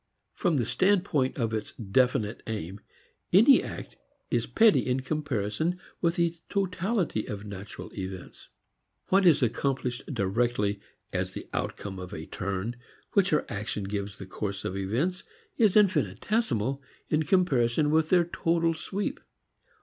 From the standpoint of its definite aim any act is petty in comparison with the totality of natural events. What is accomplished directly as the outcome of a turn which our action gives the course of events is infinitesimal in comparison with their total sweep.